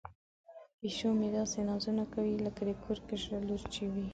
پیشو مې داسې نازونه کوي لکه د کور کشره لور چې وي.